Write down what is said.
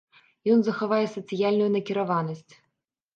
Ён захавае сацыяльную накіраванасць.